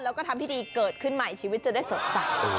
แล้วก็ทำพิธีเกิดขึ้นใหม่ชีวิตจะได้สดใส